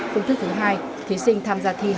công thức thứ hai thí sinh tham gia thi